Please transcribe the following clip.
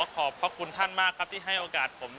ขอบพระคุณท่านมากครับที่ให้โอกาสผม